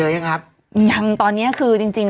ย่ำตอนนี้คือจริง